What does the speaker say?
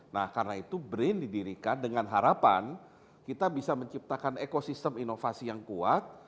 nah karena itu brin didirikan dengan harapan kita bisa menciptakan ekosistem inovasi yang kuat